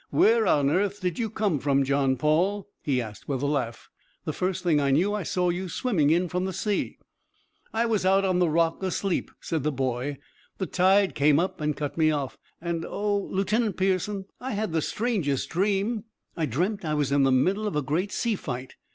"Where on earth did you come from, John Paul?" he asked with a laugh. "The first thing I knew I saw you swimming in from sea." "I was out on the rock asleep," said the boy. "The tide came up and cut me off. And oh, Lieutenant Pearson, I had the strangest dream! I dreamt I was in the middle of a great sea fight.